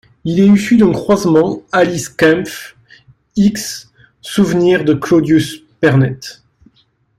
Il est issu d'un croisement 'Alice Kaempff' x 'Souvenir de Claudius Pernet'.